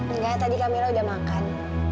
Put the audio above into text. enggak tadi kamera udah makan